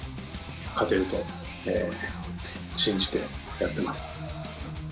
勝てると信じてやっています。